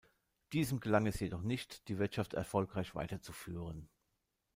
Diesem gelang es jedoch nicht, die Wirtschaft erfolgreich weiterzuführen.